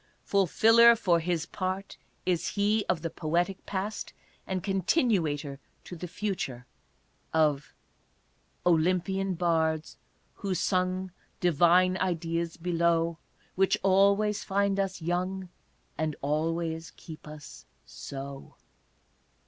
Fulfiller for his part is he of the poetic past and continuator to the future of " Olympian bards who sung Divine ideas below, Which always find us young, And always keep us so."